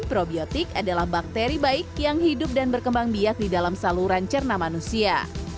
probiotik adalah bakteri baik yang hidup dan berkembang biak di dalam saluran cerna manusia